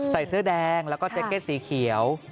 ใส่เสื้อแดงแล้วก็แจ็กเก็ตสีเขียว